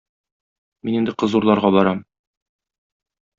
Мин инде кыз урларга барам.